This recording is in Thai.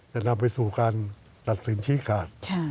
จะนำไปสู่การตัดสินชี้ขาด